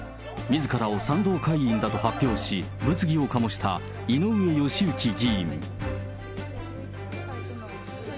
みずからを賛同会員だと発表し、物議を醸した井上義行議員。